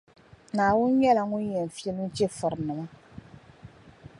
Naawuni nyɛla Ŋun yɛn filim chεfurinima.